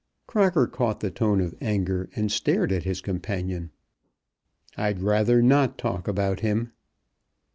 Crocker caught the tone of anger, and stared at his companion. "I'd rather not talk about him."